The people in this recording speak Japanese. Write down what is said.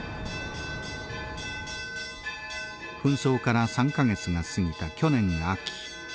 紛争から３か月が過ぎた去年秋。